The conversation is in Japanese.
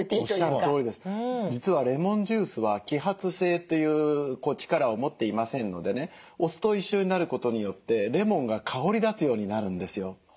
実はレモンジュースは揮発性という力を持っていませんのでねお酢と一緒になることによってレモンが香り立つようになるんですよ。